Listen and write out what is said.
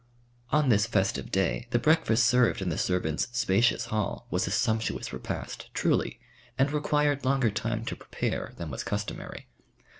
On this festive day the breakfast served in the servants' spacious hall was a sumptuous repast, truly, and required longer time to prepare than was customary.